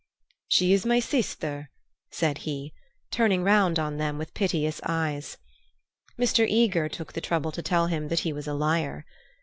"She is my sister," said he, turning round on them with piteous eyes. Mr. Eager took the trouble to tell him that he was a liar.